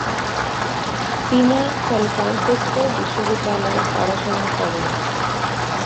তিনি San Francisco বিশ্ববিদ্যালয়ে পড়াশোনা করেন।